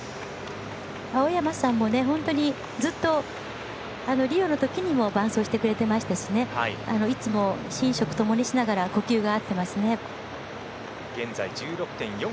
青山さんも本当にずっと、リオのときにも伴走してくれてましたし寝食ともにしながら呼吸が合ってますね。